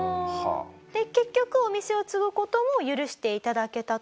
で結局お店を継ぐ事を許して頂けたと？